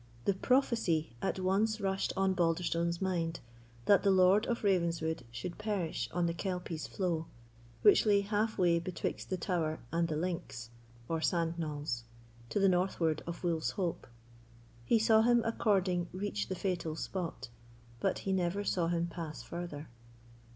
The prophecy at once rushed on Balderstone's mind, that the Lord of Ravenswood should perish on the Kelpie's flow, which lay half way betwixt the Tower and the links, or sand knolls, to the northward of Wolf's Hope. He saw him according reach the fatal spot; but he never saw him pass further.